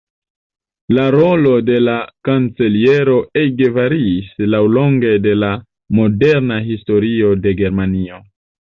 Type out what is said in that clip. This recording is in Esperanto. La rolo de la Kanceliero ege variis laŭlonge de la moderna historio de Germanio.